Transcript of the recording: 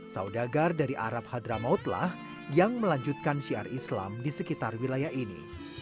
saudagar dari arab hadramautlah yang melanjutkan syiar islam di sekitar wilayah ini